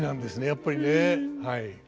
やっぱりねはい。